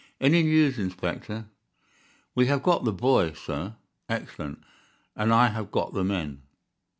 "Any news, Inspector?" "We have got the boy, sir." "Excellent, and I have got the men."